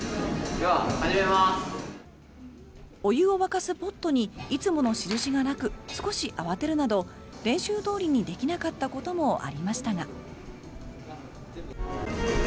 お湯を沸かすポットにいつもの印がなく少し慌てるなど練習どおりにできなかったこともありましたが。